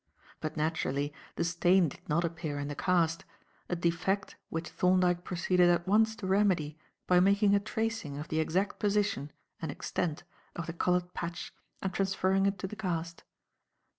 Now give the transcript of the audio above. But, naturally, the stain did not appear in the cast, a defect which Thorndyke proceeded at once to remedy by making a tracing of the exact position and extent of the coloured patch and transferring it to the cast.